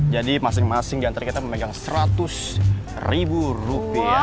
jadi masing masing diantara kita memegang seratus ribu rupiah